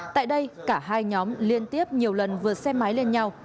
tại đây cả hai nhóm liên tiếp nhiều lần vượt xe máy lên nhau